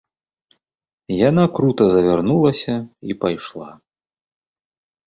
Яна крута завярнулася і пайшла.